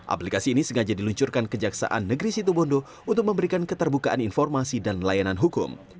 aplikasi ini sengaja diluncurkan kejaksaan negeri situbondo untuk memberikan keterbukaan informasi dan layanan hukum